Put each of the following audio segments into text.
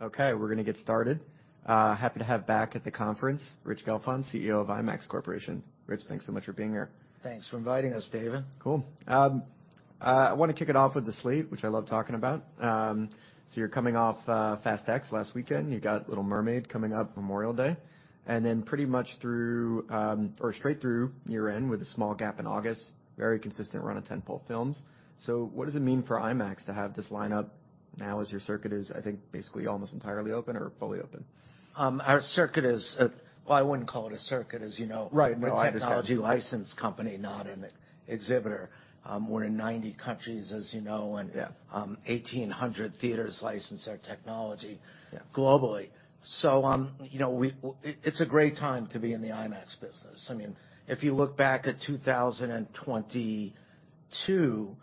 Okay, we're gonna get started. Happy to have back at the conference Rich Gelfond, CEO of IMAX Corporation. Rich, thanks so much for being here. Thanks for inviting us, David. Cool. I wanna kick it off with the slate, which I love talking about. You're coming off Fast X last weekend. You got Little Mermaid coming up Memorial Day. Pretty much through or straight through year-end with a small gap in August, very consistent run of tent-pole films. What does it mean for IMAX to have this lineup now as your circuit is, I think, basically almost entirely open or fully open? Our circuit is, Well, I wouldn't call it a circuit, as you know. Right. No, I understand. We're a technology license company, not an exhibitor. We're in 90 countries, as you know. Yeah. 1,800 theaters license our technology. Yeah. Globally. You know, it's a great time to be in the IMAX business. I mean, if you look back at 2022,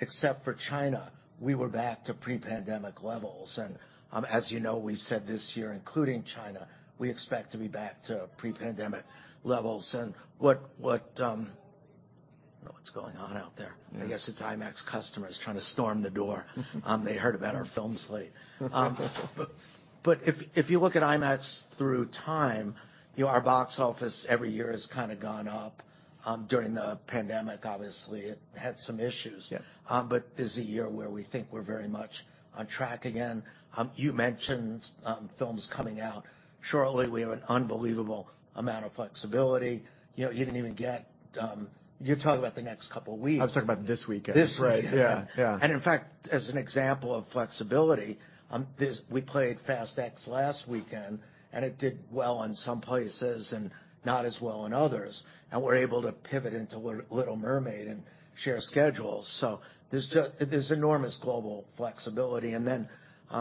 except for China, we were back to pre-pandemic levels. As you know, we said this year, including China, we expect to be back to pre-pandemic levels. What, what... I don't know what's going on out there. Yeah. I guess it's IMAX customers trying to storm the door. They heard about our film slate. If you look at IMAX through time, you know, our box office every year has kinda gone up. During the pandemic, obviously it had some issues. Yeah. This is a year where we think we're very much on track again. You mentioned films coming out. Shortly, we have an unbelievable amount of flexibility. You know, you didn't even get. You're talking about the next couple weeks. I was talking about this weekend. This weekend. Right, yeah. In fact, as an example of flexibility, we played Fast X last weekend, and it did well in some places and not as well in others. We're able to pivot into Little Mermaid and share schedules. There's enormous global flexibility. Then,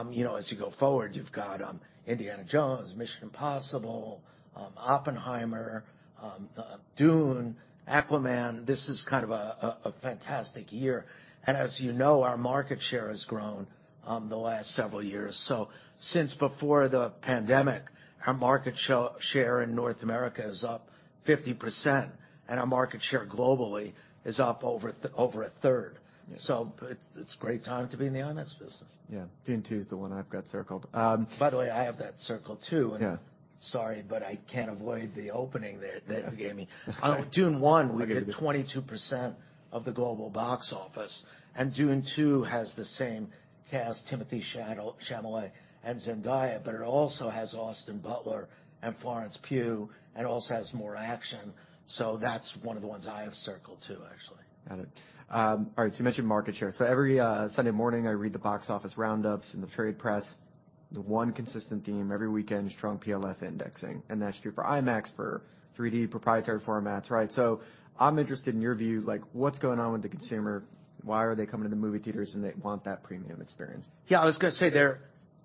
you know, as you go forward, you've got, Indiana Jones, Mission: Impossible, Oppenheimer, Dune, Aquaman. This is kind of a fantastic year. As you know, our market share has grown, the last several years. Since before the pandemic, our market share in North America is up 50%, and our market share globally is up over a third. Yeah. It's a great time to be in the IMAX business. Yeah. Dune: Part Two is the one I've got circled. By the way, I have that circled too. Yeah. Sorry, but I can't avoid the opening there that you gave me. On Dune: Part One, we did 22% of the global box office. Dune: Part Two has the same cast, Timothée Chalamet and Zendaya, but it also has Austin Butler and Florence Pugh, and also has more action. That's one of the ones I have circled too, actually. Got it. All right, you mentioned market share. Every Sunday morning, I read the box office roundups in the trade press. The one consistent theme every weekend is strong PLF indexing, and that's true for IMAX, for 3D proprietary formats, right? I'm interested in your view, like, what's going on with the consumer? Why are they coming to the movie theaters, and they want that premium experience? Yeah, I was gonna say,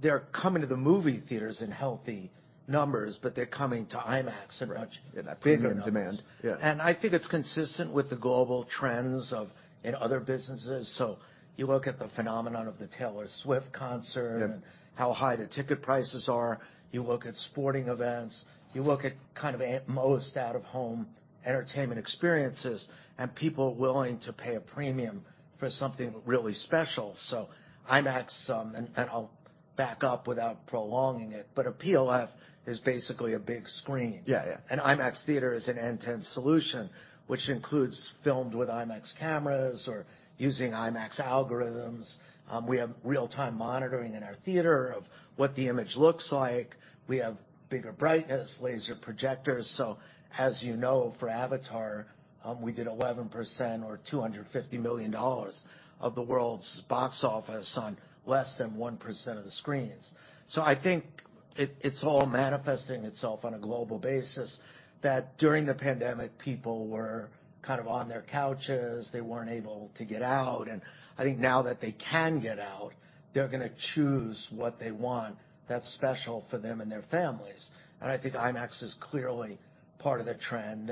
they're coming to the movie theaters in healthy numbers, but they're coming to IMAX in much- Right. bigger numbers. In that premium demand, yeah. I think it's consistent with the global trends of in other businesses. You look at the phenomenon of the Taylor Swift concert. Yeah. How high the ticket prices are. You look at sporting events. You look at kind of at most out-of-home entertainment experiences, and people are willing to pay a premium for something really special. IMAX, I'll back up without prolonging it, but a PLF is basically a big screen. Yeah, yeah. An IMAX theater is an end-to-end solution, which includes filmed with IMAX cameras or using IMAX algorithms. We have real-time monitoring in our theater of what the image looks like. We have bigger brightness, laser projectors. As you know, for Avatar, we did 11% or $250 million of the world's box office on less than 1% of the screens. I think it's all manifesting itself on a global basis that during the pandemic, people were kind of on their couches. They weren't able to get out. I think now that they can get out, they're gonna choose what they want that's special for them and their families. I think IMAX is clearly part of that trend.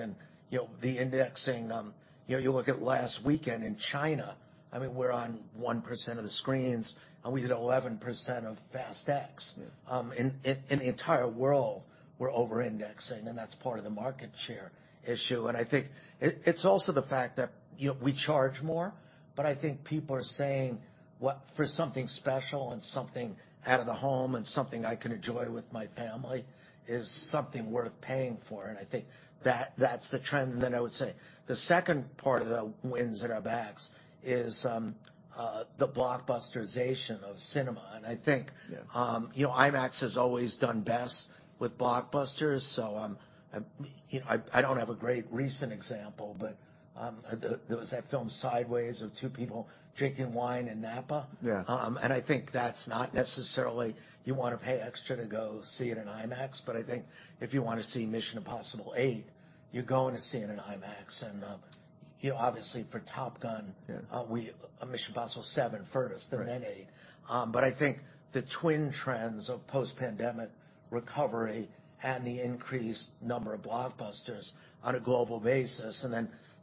You know, the indexing, you know, you look at last weekend in China, I mean, we're on 1% of the screens, and we did 11% of Fast X. Yeah. In the entire world, we're over-indexing, and that's part of the market share issue. I think it's also the fact that, you know, we charge more, but I think people are saying, "What? For something special and something out of the home and something I can enjoy with my family is something worth paying for." I think that's the trend. Then I would say the second part of the winds at our backs is the blockbustersation of cinema. Yeah. You know, IMAX has always done best with blockbusters. You know, I don't have a great recent example, but there was that film Sideways of two people drinking wine in Napa. Yeah. I think that's not necessarily you wanna pay extra to go see it in IMAX, but I think if you wanna see Mission: Impossible 8, you're going to see it in an IMAX. You know, obviously for Top Gun. Yeah. Mission: Impossible 7 first-. Right. 8. I think the twin trends of post-pandemic recovery and the increased number of blockbusters on a global basis.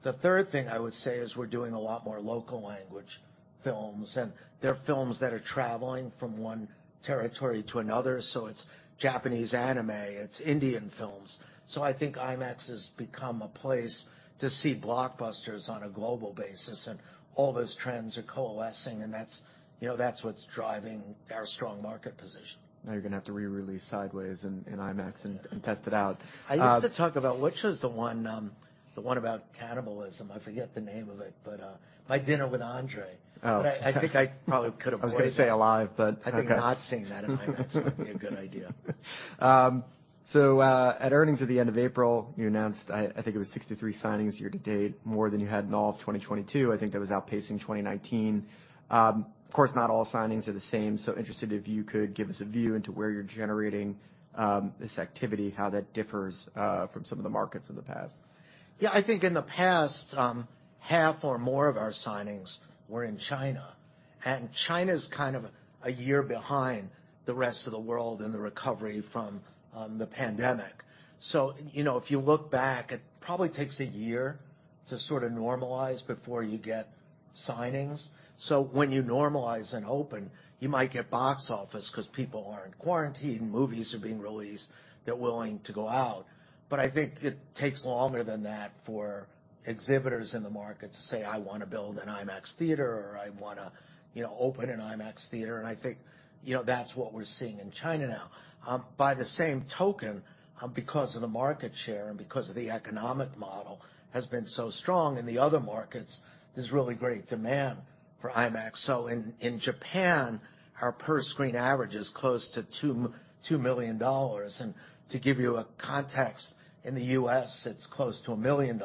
The third thing I would say is we're doing a lot more local language films, and they're films that are traveling from one territory to another, so it's Japanese anime, it's Indian films. I think IMAX has become a place to see blockbusters on a global basis. All those trends are coalescing. That's, you know, that's what's driving our strong market position. Now you're gonna have to re-release Sideways in IMAX and test it out. I used to talk about, which was the one, the one about cannibalism. I forget the name of it, but My Dinner with Andre. Oh. I think I probably could avoid it. I was gonna say Alive, but okay. I think not seeing that in my mind, that's gonna be a good idea. At earnings at the end of April, you announced, I think it was 63 signings year-to-date, more than you had in all of 2022. I think that was outpacing 2019. Of course not all signings are the same, so interested if you could give us a view into where you're generating this activity, how that differs from some of the markets of the past. Yeah. I think in the past, half or more of our signings were in China, and China's kind of a year behind the rest of the world in the recovery from the pandemic. If you look back, you know, it probably takes a year to sort of normalize before you get signings. When you normalize and open, you might get box office 'cause people aren't quarantined, movies are being released, they're willing to go out. I think it takes longer than that for exhibitors in the market to say, "I wanna build an IMAX theater," or, "I wanna, you know, open an IMAX theater." I think, you know, that's what we're seeing in China now. By the same token, because of the market share and because of the economic model has been so strong in the other markets, there's really great demand for IMAX. In Japan, our per screen average is close to $2 million. To give you a context, in the U.S. it's close to $1 million.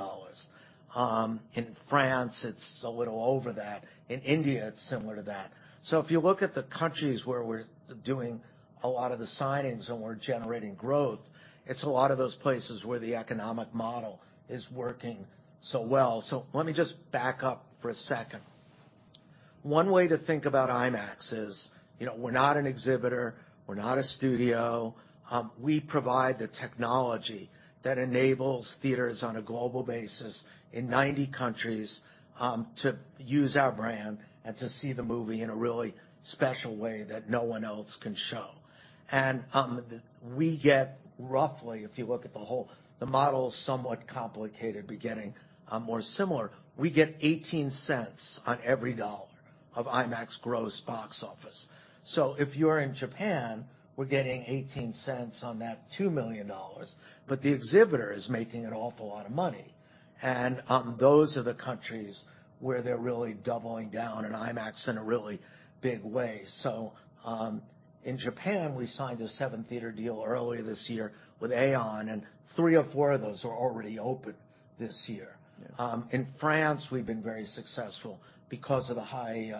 In France, it's a little over that. In India, it's similar to that. If you look at the countries where we're doing a lot of the signings and we're generating growth, it's a lot of those places where the economic model is working so well. Let me just back up for a second. One way to think about IMAX is, you know, we're not an exhibitor, we're not a studio. We provide the technology that enables theaters on a global basis in 90 countries to use our brand and to see the movie in a really special way that no one else can show. We get roughly, if you look at The model is somewhat complicated, but getting more similar. We get $0.18 on every dollar of IMAX gross box office. If you're in Japan, we're getting $0.18 on that $2 million, but the exhibitor is making an awful lot of money. Those are the countries where they're really doubling down on IMAX in a really big way. In Japan, we signed a 7-theater deal earlier this year with AEON, and three or four of those are already open this year. Yeah. In France, we've been very successful because of the high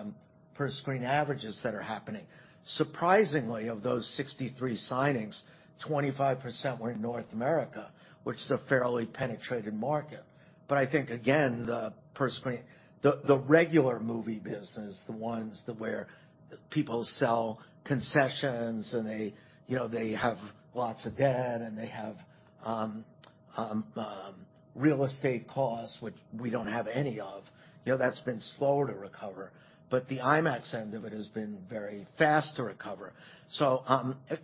per screen averages that are happening. Surprisingly, of those 63 signings, 25% were in North America, which is a fairly penetrated market. I think again, the regular movie business, the ones that where people sell concessions and they, you know, they have lots of debt and they have real estate costs, which we don't have any of, you know, that's been slow to recover. The IMAX end of it has been very fast to recover.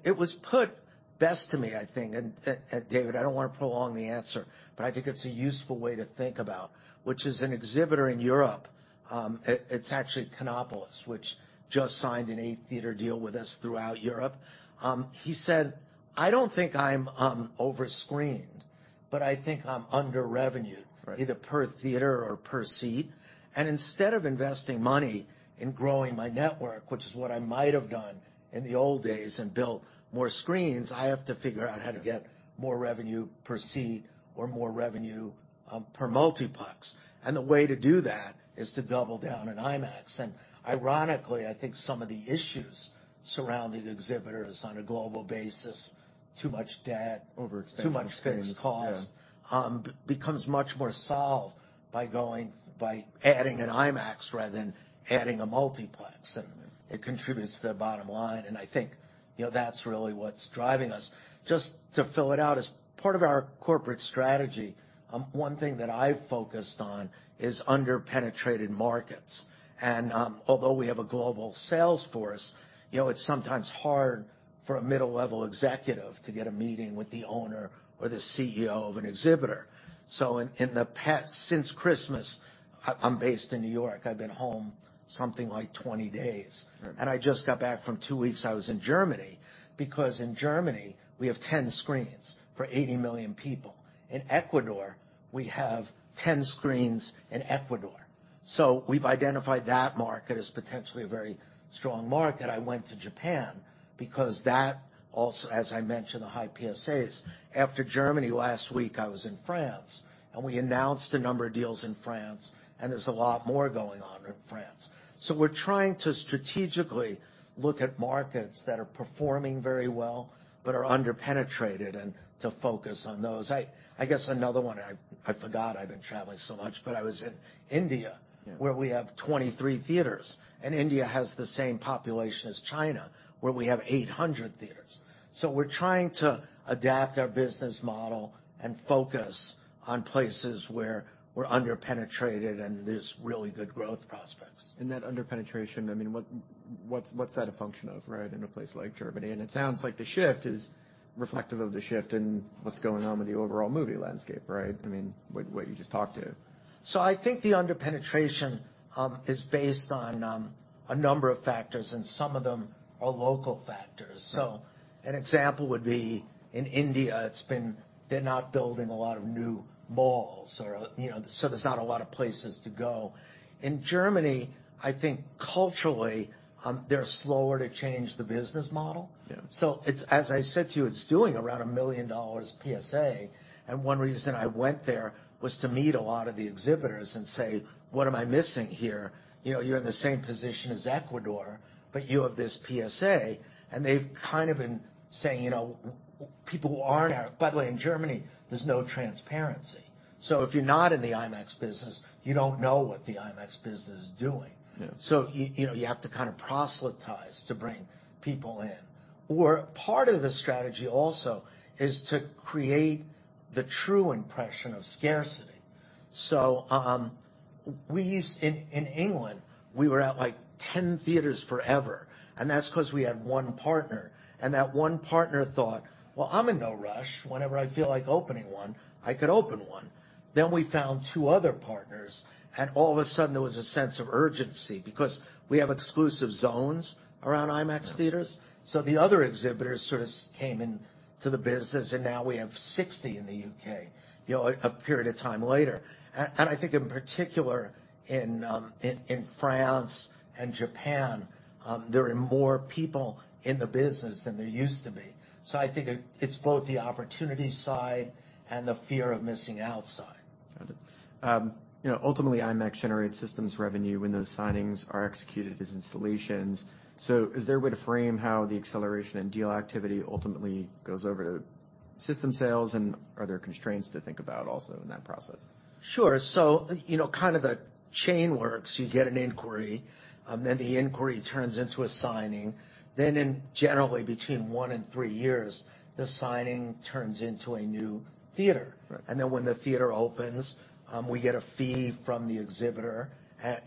It was put best to me, I think, and David, I don't wanna prolong the answer, but I think it's a useful way to think about, which is an exhibitor in Europe, it's actually Kinepolis, which just signed an 8-theater deal with us throughout Europe. he said, "I don't think I'm over-screened, but I think I'm under-revenued... Right. -either per theater or per seat. Instead of investing money in growing my network, which is what I might have done in the old days and built more screens, I have to figure out how to get more revenue per seat or more revenue per multiplex. The way to do that is to double down on IMAX. Ironically, I think some of the issues surrounding exhibitors on a global basis, too much debt. Overextension. Too much fixed costs. Yeah. Becomes much more solved by adding an IMAX rather than adding a multiplex. Mm-hmm. It contributes to their bottom line, and I think, you know, that's really what's driving us. Just to fill it out, as part of our corporate strategy, one thing that I've focused on is under-penetrated markets. Although we have a global sales force, you know, it's sometimes hard for a middle-level executive to get a meeting with the owner or the CEO of an exhibitor. In the past, since Christmas, I'm based in New York, I've been home something like 20 days. Right. I just got back from two weeks I was in Germany, because in Germany, we have 10 screens for 80 million people. In Ecuador, we have 10 screens in Ecuador. We've identified that market as potentially a very strong market. I went to Japan because that also, as I mentioned, the high PSAs. After Germany last week, I was in France, and we announced a number of deals in France, and there's a lot more going on in France. We're trying to strategically look at markets that are performing very well but are under-penetrated, and to focus on those. I guess another one, I forgot I've been traveling so much, but I was in India. Yeah. where we have 23 theaters. India has the same population as China, where we have 800 theaters. We're trying to adapt our business model and focus on places where we're under-penetrated and there's really good growth prospects. That under-penetration, I mean, what's that a function of, right? In a place like Germany. It sounds like the shift is reflective of the shift in what's going on with the overall movie landscape, right? I mean, with what you just talked to. I think the under-penetration is based on A number of factors, and some of them are local factors. An example would be in India, they're not building a lot of new malls or, you know, so there's not a lot of places to go. In Germany, I think culturally, they're slower to change the business model. Yeah. It's as I said to you, it's doing around $1 million PSA. One reason I went there was to meet a lot of the exhibitors and say, "What am I missing here? You know, you're in the same position as Ecuador, but you have this PSA." They've kind of been saying, you know, people who aren't... By the way, in Germany, there's no transparency. If you're not in the IMAX business, you don't know what the IMAX business is doing. Yeah. You know, you have to kind of proselytize to bring people in. Part of the strategy also is to create the true impression of scarcity. In England, we were at, like, 10 theaters forever, and that's 'cause we had one partner, and that one partner thought, "Well, I'm in no rush. Whenever I feel like opening one, I could open one." We found two other partners, and all of a sudden there was a sense of urgency because we have exclusive zones around IMAX- Yeah. ...theaters, so the other exhibitors sort of came into the business, and now we have 60 in the U.K., you know, a period of time later. I think in particular in France and Japan, there are more people in the business than there used to be. I think it's both the opportunity side and the fear of missing out side. Got it. You know, ultimately, IMAX generates systems revenue when those signings are executed as installations. Is there a way to frame how the acceleration and deal activity ultimately goes over to system sales, and are there constraints to think about also in that process? Sure. You know, kind of the chain works. You get an inquiry, then the inquiry turns into a signing. In generally between one and three years, the signing turns into a new theater. Right. When the theater opens, we get a fee from the exhibitor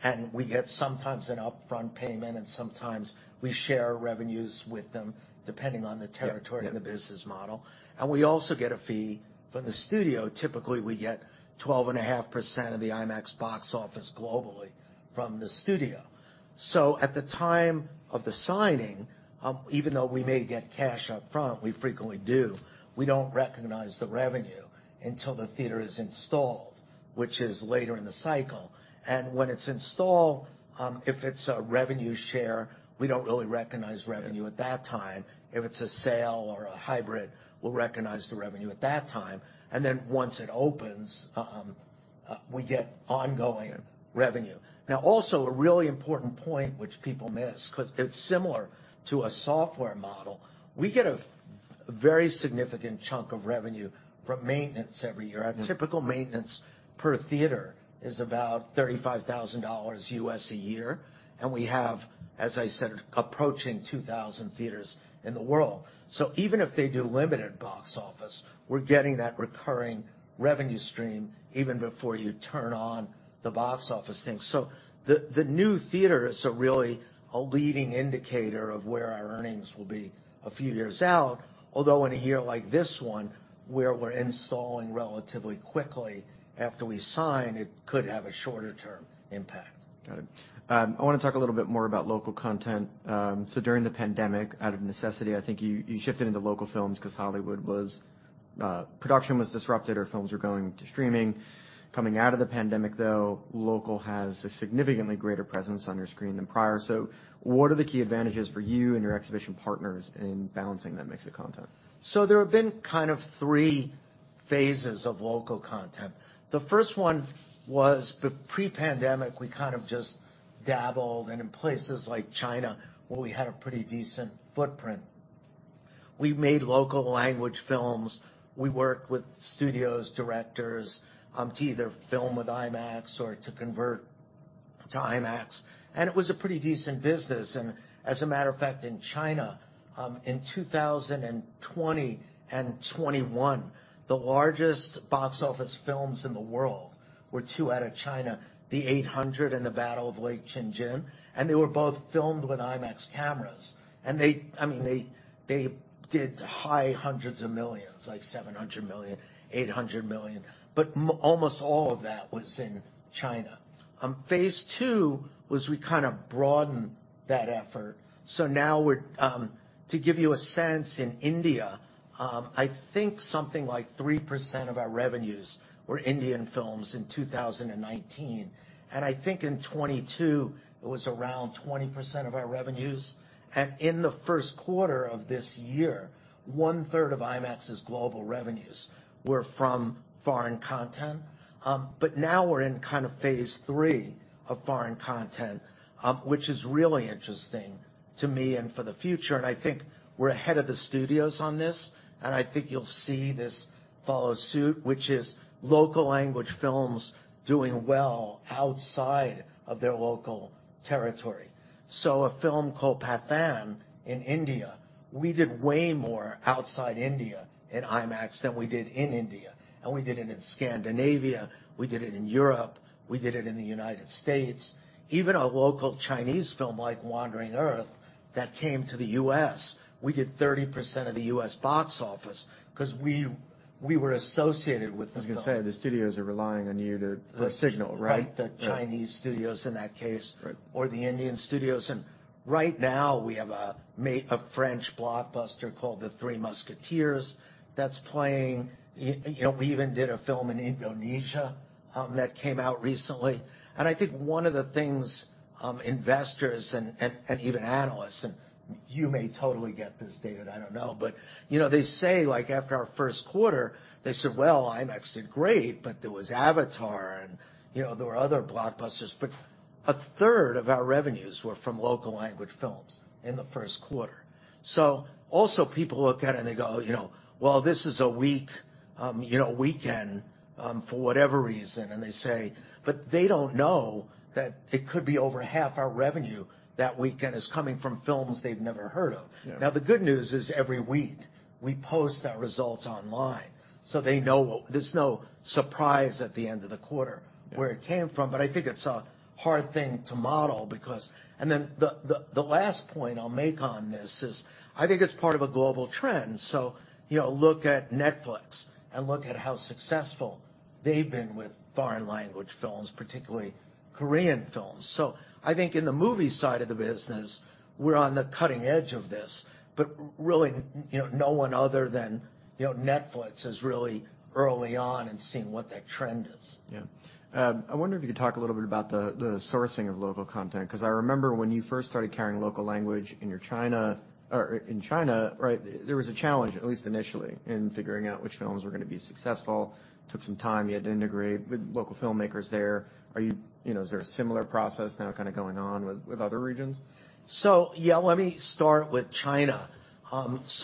and we get sometimes an upfront payment, and sometimes we share revenues with them, depending on the territory. Yeah. Yeah. ...and the business model. We also get a fee from the studio. Typically, we get 12.5% of the IMAX box office globally from the studio. At the time of the signing, even though we may get cash up front, we frequently do, we don't recognize the revenue until the theater is installed, which is later in the cycle. When it's installed, if it's a revenue share, we don't really recognize revenue at that time. If it's a sale or a hybrid, we'll recognize the revenue at that time. Then once it opens, we get ongoing revenue. Also a really important point which people miss, 'cause it's similar to a software model, we get a very significant chunk of revenue from maintenance every year. Mm-hmm. Our typical maintenance per theater is about $35,000 a year, and we have, as I said, approaching 2,000 theaters in the world. Even if they do limited box office, we're getting that recurring revenue stream even before you turn on the box office thing. The new theater is a really, a leading indicator of where our earnings will be a few years out. Although in a year like this one, where we're installing relatively quickly after we sign, it could have a shorter-term impact. Got it. I wanna talk a little bit more about local content. During the pandemic, out of necessity, I think you shifted into local films 'cause Hollywood was production was disrupted, or films were going to streaming. Coming out of the pandemic, though, local has a significantly greater presence on your screen than prior. What are the key advantages for you and your exhibition partners in balancing that mix of content? There have been kind of three phases of local content. The first one was pre-pandemic. We kind of just dabbled, and in places like China, where we had a pretty decent footprint. We made local language films. We worked with studios, directors, to either film with IMAX or to convert to IMAX. It was a pretty decent business. As a matter of fact, in China, in 2020 and 2021, the largest box office films in the world were two out of China, The Eight Hundred and The Battle at Lake Changjin, and they were both filmed with IMAX cameras. They, I mean, they did high hundreds of millions, like $700 million, $800 million. Almost all of that was in China. Phase two was we kind of broadened that effort. Now we're, to give you a sense, in India, I think something like 3% of our revenues were Indian films in 2019, and I think in 2022, it was around 20% of our revenues. In the first quarter of this year, 1/3 of IMAX's global revenues were from foreign content. Now we're in kind of phase three of foreign content, which is really interesting to me and for the future. I think we're ahead of the studios on this, and I think you'll see this follow suit, which is local language films doing well outside of their local territory. A film called Pathaan in India, we did way more outside India in IMAX than we did in India. We did it in Scandinavia. We did it in Europe. We did it in the United States. Even a local Chinese film like Wandering Earth. That came to the U.S. We did 30% of the U.S. box office because we were associated. I was gonna say, the studios are relying on you for a signal, right? Right. The Chinese studios in that case- Right. ...or the Indian studios and right now we have a French blockbuster called The Three Musketeers that's playing. You know, we even did a film in Indonesia that came out recently. I think one of the things investors and even analysts and you may totally get this, David, I don't know. You know, they say, like, after our first quarter, they said, "Well, IMAX did great, but there was Avatar and, you know, there were other blockbusters." A third of our revenues were from local language films in the first quarter. Also people look at it and they go, you know, "Well, this is a weak, you know, weekend for whatever reason." They say... They don't know that it could be over half our revenue that weekend is coming from films they've never heard of. Yeah. Now, the good news is every week we post our results online, so they know there's no surprise at the end of the quarter. Yeah. ...where it came from, but I think it's a hard thing to model because... The last point I'll make on this is I think it's part of a global trend, so you know, look at Netflix and look at how successful they've been with foreign language films, particularly Korean films. I think in the movie side of the business, we're on the cutting edge of this, but really, you know, no one other than, you know, Netflix is really early on in seeing what that trend is. I wonder if you could talk a little bit about the sourcing of local content, 'cause I remember when you first started carrying local language in China, right? There was a challenge, at least initially, in figuring out which films were gonna be successful. Took some time. You had to integrate with local filmmakers there. You know, is there a similar process now kinda going on with other regions? Let me start with China.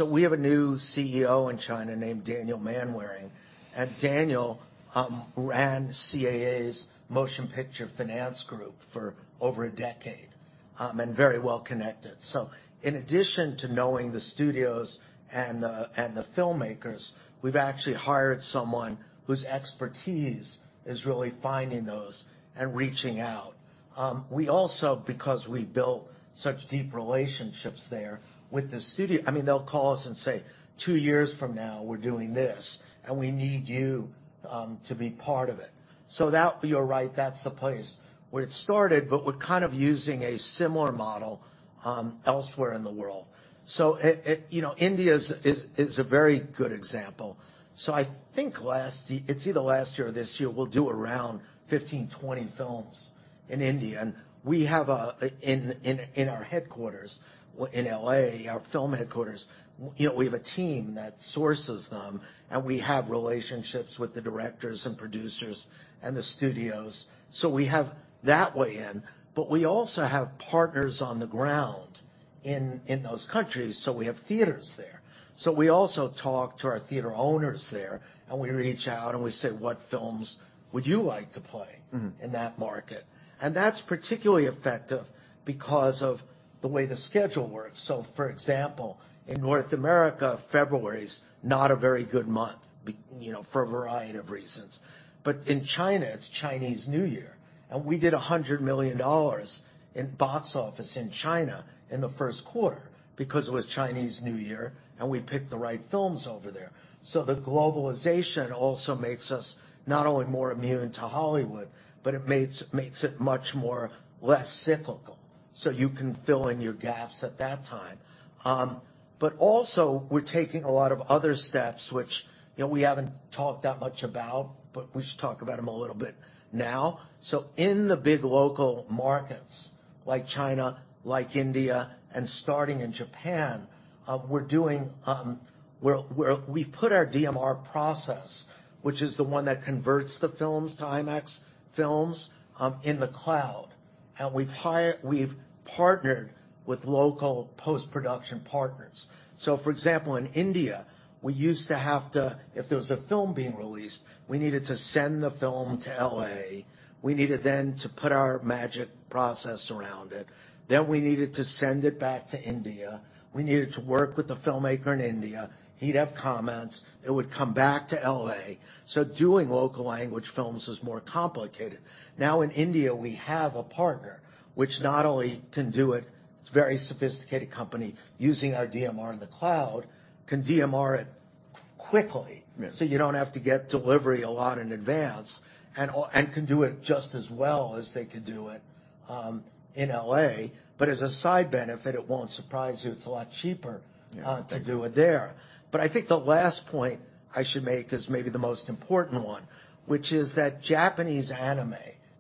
We have a new CEO in China named Daniel Manwaring, and Daniel ran CAA's Motion Picture Finance group for over a decade and very well connected. In addition to knowing the studios and the filmmakers, we've actually hired someone whose expertise is really finding those and reaching out. We also, because we built such deep relationships there with the studio, I mean, they'll call us and say, "Two years from now, we're doing this, and we need you to be part of it." You're right, that's the place where it started, but we're kind of using a similar model elsewhere in the world. You know India is a very good example. I think last year it's either last year or this year, we'll do around 15, 20 films in India. We have in our headquarters in L.A., our film headquarters, you know, we have a team that sources them, and we have relationships with the directors and producers and the studios, we have that way in. We also have partners on the ground in those countries, we have theaters there. We also talk to our theater owners there, and we reach out and we say, "What films would you like to play? Mm-hmm. ...in that market?" That's particularly effective because of the way the schedule works. For example, in North America, February is not a very good month, you know, for a variety of reasons. In China, it's Chinese New Year, and we did $100 million in box office in China in the 1st quarter because it was Chinese New Year, and we picked the right films over there. The globalization also makes us not only more immune to Hollywood, but it makes it much more less cyclical, so you can fill in your gaps at that time. Also, we're taking a lot of other steps which, you know, we haven't talked that much about, but we should talk about them a little bit now. In the big local markets like China, like India, and starting in Japan, we're doing... We've put our DMR process, which is the one that converts the films to IMAX films, in the cloud. We've partnered with local post-production partners. For example, in India, we used to have to, if there was a film being released, we needed to send the film to L.A. We needed to put our magic process around it. We needed to send it back to India. We needed to work with the filmmaker in India. He'd have comments. It would come back to L.A. Doing local language films was more complicated. Now in India, we have a partner which not only can do it's a very sophisticated company using our DMR in the cloud, can DMR it quickly. Yeah. You don't have to get delivery a lot in advance and can do it just as well as they could do it, in L.A. As a side benefit, it won't surprise you, it's a lot cheaper. Yeah. to do it there. I think the last point I should make is maybe the most important one, which is that Japanese anime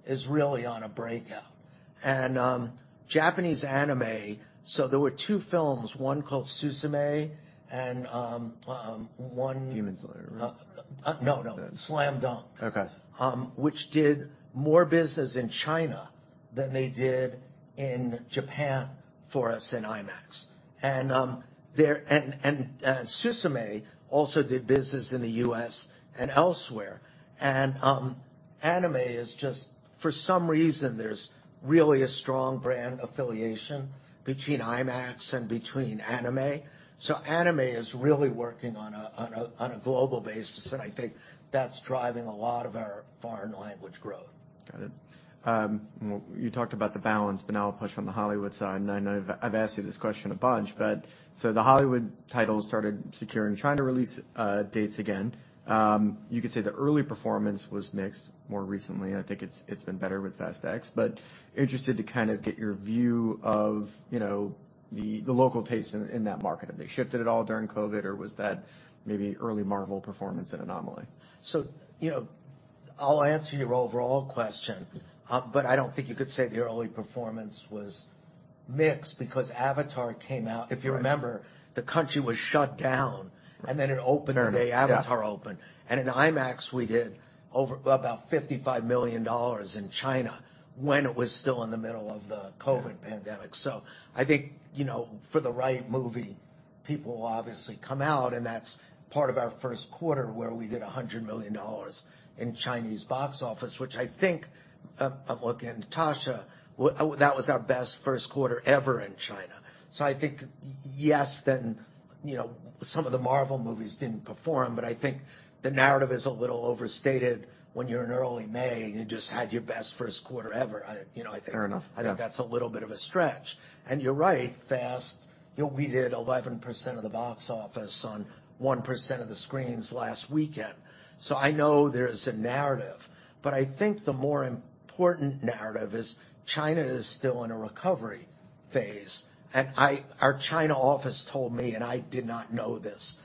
is really on a breakout. Japanese anime, so there were two films, one called Suzume and, Demon Slayer, right? No, no. Okay. Slam Dunk. Okay. Which did more business in China than they did in Japan for us in IMAX. Suzume also did business in the U.S. and elsewhere. Anime is just, for some reason, there's really a strong brand affiliation between IMAX and between anime. Anime is really working on a global basis, and I think that's driving a lot of our foreign language growth. Got it. Well, you talked about the balance, but now I'll push on the Hollywood side. I know I've asked you this question a bunch, but so the Hollywood titles started securing China release dates again. You could say the early performance was mixed more recently, and I think it's been better with Fast X. Interested to kind of get your view of, you know, the local tastes in that market. Have they shifted at all during COVID, or was that maybe early Marvel performance an anomaly? You know, I'll answer your overall question, but I don't think you could say the early performance was mixed because Avatar came out. You remember, the country was shut down, and then it opened... Fair enough, yeah. The day Avatar opened. In IMAX, we did over about $55 million in China when it was still in the middle of the- Yeah. COVID pandemic. I think, you know, for the right movie, people will obviously come out, and that's part of our first quarter where we did $100 million in Chinese box office, which I think, again, Tasha, that was our best first quarter ever in China. I think yes, then, you know, some of the Marvel movies didn't perform, but I think the narrative is a little overstated when you're in early May and you just had your best first quarter ever. I, you know, I think- Fair enough, yeah. I think that's a little bit of a stretch. You're right, Fast, you know, we did 11% of the box office on 1% of the screens last weekend. I know there's a narrative, but I think the more important narrative is China is still in a recovery phase. Our China office told me, and I did not know this,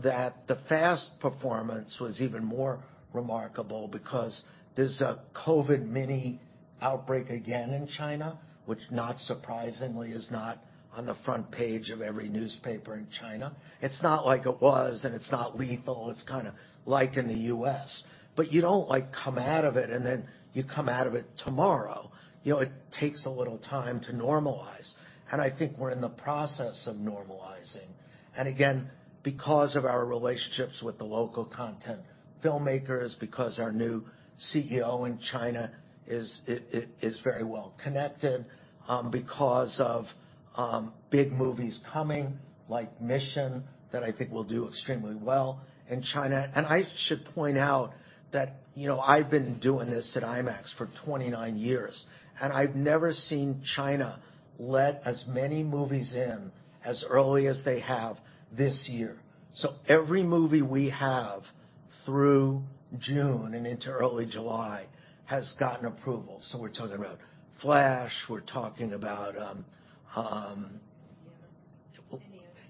that the Fast performance was even more remarkable because there's a COVID mini outbreak again in China, which not surprisingly, is not on the front page of every newspaper in China. It's not like it was, and it's not lethal. It's kinda like in the U.S. You don't, like, come out of it, and then you come out of it tomorrow. You know, it takes a little time to normalize. I think we're in the process of normalizing. Again, because of our relationships with the local content filmmakers, because our new CEO in China is very well connected, because of big movies coming, like Mission, that I think will do extremely well in China. I should point out that, you know, I've been doing this at IMAX for 29 years, and I've never seen China let as many movies in as early as they have this year. Every movie we have through June and into early July has gotten approval. We're talking about Flash, we're talking about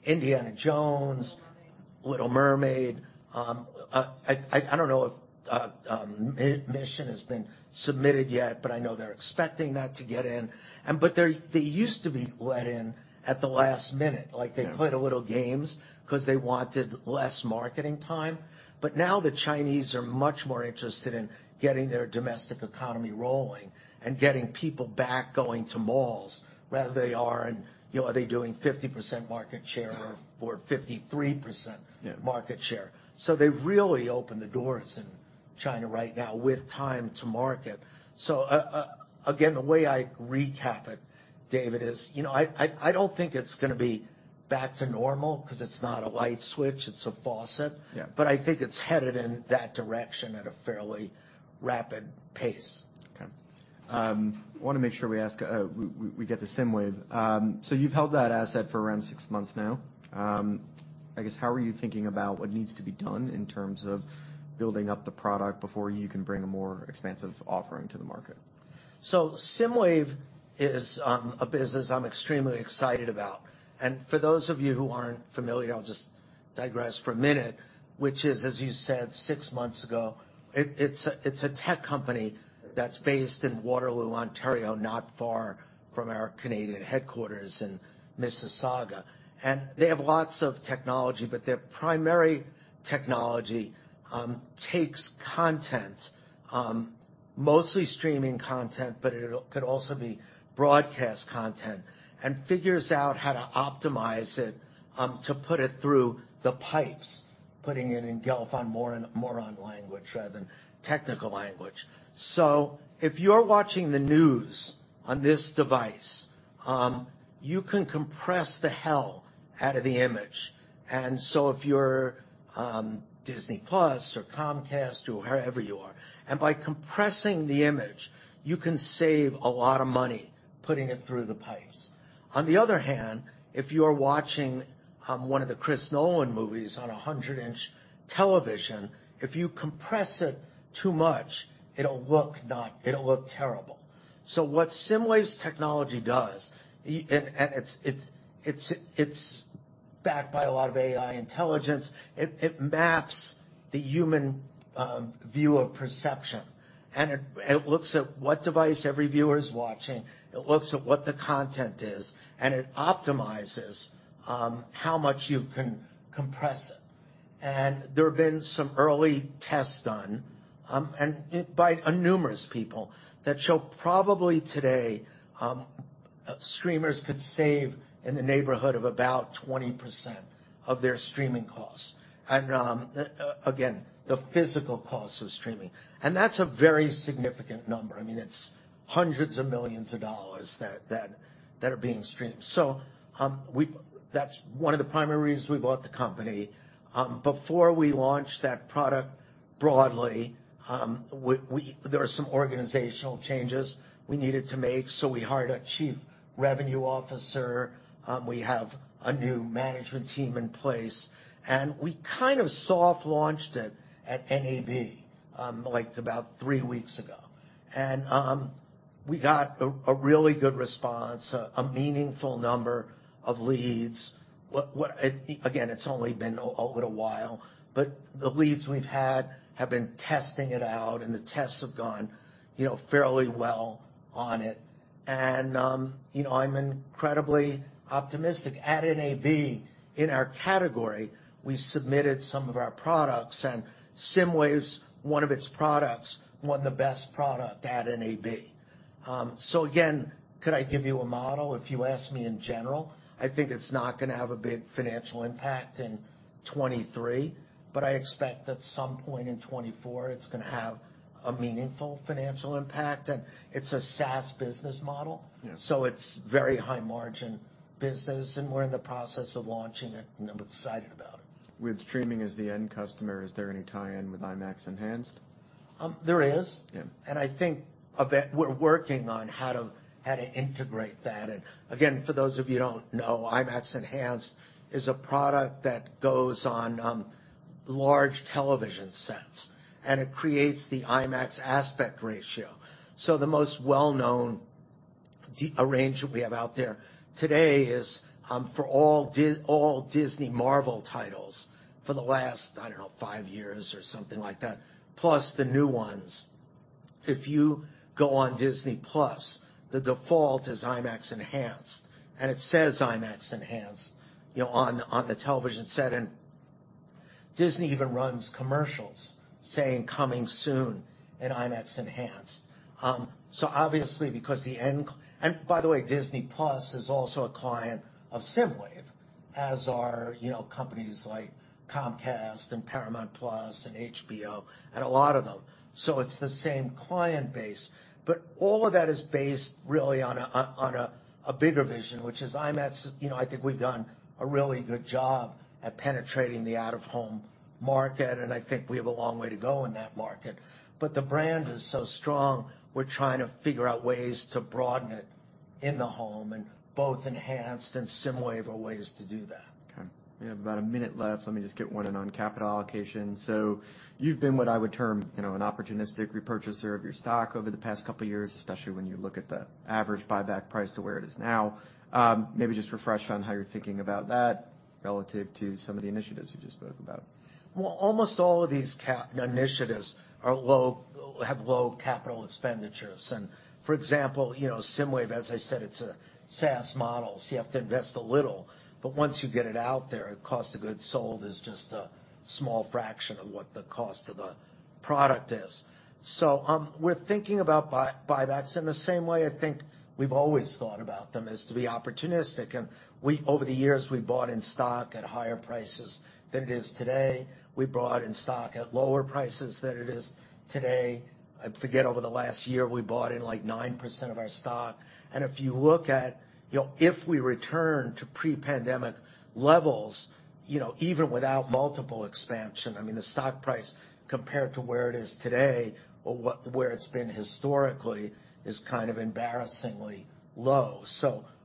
Indiana Jones. Little Mermaid. I don't know if Mission has been submitted yet, but I know they're expecting that to get in. But they used to be let in at the last minute. Like- Yeah. they played a little games 'cause they wanted less marketing time. Now the Chinese are much more interested in getting their domestic economy rolling and getting people back going to malls rather they are in... You know, are they doing 50% market share or 53%- Yeah. -market share. They've really opened the doors in China right now with time to market. Again, the way I recap it, David, is, you know, I don't think it's gonna be back to normal 'cause it's not a light switch, it's a faucet. Yeah. I think it's headed in that direction at a fairly rapid pace. Okay. Wanna make sure we ask, we get to SSIMWAVE. You've held that asset for around six months now. I guess, how are you thinking about what needs to be done in terms of building up the product before you can bring a more expansive offering to the market? SSIMWAVE is a business I'm extremely excited about. For those of you who aren't familiar, I'll just digress for a minute, which is, as you said six months ago, it's a tech company that's based in Waterloo, Ontario, not far from our Canadian headquarters in Mississauga. They have lots of technology, but their primary technology takes content, mostly streaming content, but it could also be broadcast content, and figures out how to optimize it to put it through the pipes, putting it in golf on more on language rather than technical language. If you're watching the news on this device, you can compress the hell out of the image. If you're Disney+ or Comcast or wherever you are, and by compressing the image, you can save a lot of money putting it through the pipes. On the other hand, if you're watching one of the Christopher Nolan movies on a 100-inch television, if you compress it too much, it'll look terrible. So what SSIMWAVE's technology does, and it's backed by a lot of AI intelligence. It maps the human view of perception, and it looks at what device every viewer is watching. It looks at what the content is, and it optimizes how much you can compress it. And there have been some early tests done, and by numerous people that show probably today, streamers could save in the neighborhood of about 20% of their streaming costs. Again, the physical cost of streaming. That's a very significant number. I mean, it's hundreds of millions of dollars that are being streamed. That's one of the primary reasons we bought the company. Before we launch that product broadly, there are some organizational changes we needed to make, so we hired a chief revenue officer. We have a new management team in place, and we kind of soft launched it at NAB, like about three weeks ago. We got a really good response, a meaningful number of leads. Again, it's only been a little while, but the leads we've had have been testing it out, and the tests have gone, you know, fairly well on it. You know, I'm incredibly optimistic. At NAB, in our category, we submitted some of our products, and SSIMWAVE's one of its products, won the best product at NAB. Again, could I give you a model? If you ask me in general, I think it's not gonna have a big financial impact in 2023, but I expect at some point in 2024, it's gonna have a meaningful financial impact. It's a SaaS business model... Yeah. It's very high margin business, and we're in the process of launching it, and I'm excited about it. With streaming as the end customer, is there any tie-in with IMAX Enhanced? There is. Yeah. We're working on how to integrate that. Again, for those of you don't know, IMAX Enhanced is a product that goes on large television sets, and it creates the IMAX aspect ratio. The most well-known arrangement we have out there today is for all Disney Marvel titles for the last, I don't know, five years or something like that, plus the new ones. If you go on Disney+, the default is IMAX Enhanced, and it says IMAX Enhanced, you know, on the television set. Disney even runs commercials saying, "Coming soon in IMAX Enhanced." Obviously because by the way, Disney+ is also a client of SSIMWAVE, as are, you know, companies like Comcast and Paramount Plus and HBO and a lot of them. It's the same client base. All of that is based really on a bigger vision, which is IMAX. You know, I think we've done a really good job at penetrating the out-of-home market, and I think we have a long way to go in that market. The brand is so strong, we're trying to figure out ways to broaden it in the home and both Enhanced and SSIMWAVE are ways to do that. Okay. We have about a minute left. Let me just get one in on capital allocation. You've been what I would term, you know, an opportunistic repurchaser of your stock over the past couple years, especially when you look at the average buyback price to where it is now. Maybe just refresh on how you're thinking about that relative to some of the initiatives you just spoke about. Almost all of these cap initiatives have low capital expenditures. For example, you know, SSIMWAVE, as I said, it's a SaaS model, so you have to invest a little, but once you get it out there, cost of goods sold is just a small fraction of what the cost of the product is. We're thinking about buybacks in the same way I think we've always thought about them, is to be opportunistic. Over the years, we bought in stock at higher prices than it is today. We bought in stock at lower prices than it is today. I forget, over the last year, we bought in, like, 9% of our stock. If you look at, you know, if we return to pre-pandemic levels, you know, even without multiple expansion, I mean, the stock price compared to where it is today or where it's been historically is kind of embarrassingly low.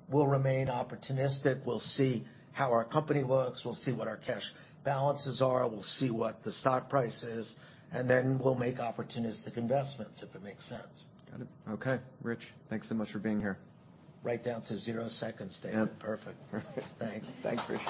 We'll remain opportunistic. We'll see how our company looks. We'll see what our cash balances are. We'll see what the stock price is, and then we'll make opportunistic investments, if it makes sense. Got it. Okay. Rich, thanks so much for being here. Right down to zero seconds, David. Yeah. Perfect. Perfect. Thanks. Thanks, Rich.